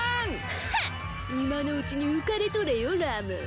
フン今のうちに浮かれとれよラム